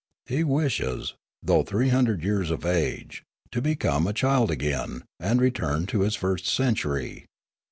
He wishes, though three hundred years of age, to become a child again and return to his first century.